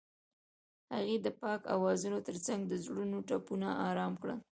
هغې د پاک اوازونو ترڅنګ د زړونو ټپونه آرام کړل.